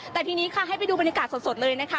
แต่ทีนี้ค่ะให้ไปดูบรรยากาศสดเลยนะคะ